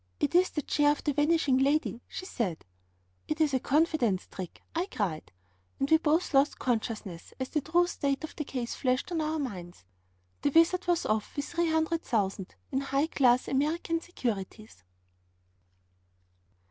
'It is the chair of the Vanishing Lady,' she said. 'It is the Confidence Trick,' I cried; and we both lost consciousness as the true state of the case flashed on our minds. The wizard was off with 300,000_l._ in high class American securities.